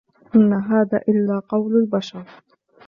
إِنْ هَذَا إِلاَّ قَوْلُ الْبَشَرِ